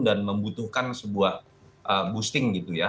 dan membutuhkan sebuah boosting gitu ya